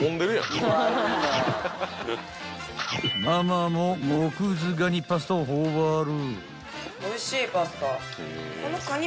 ［ママもモクズガニパスタを頬張る］